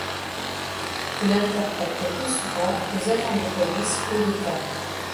Il interprète le plus souvent des agents de police ou d'État.